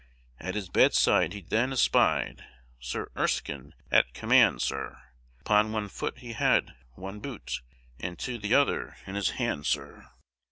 At his bedside he then espy'd, Sir Erskine at command, Sir; Upon one foot he had one boot, And t' other in his hand, Sir.